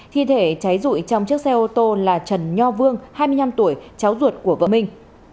thi thể cháy rụi trong chiếc xe ô tô là trần nho vương hai mươi năm tuổi cháu ruột của vợ mình